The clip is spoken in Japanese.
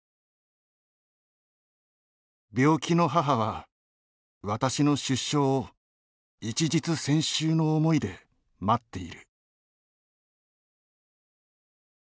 「病気の母は私の出所を一日千秋の思いで待っている」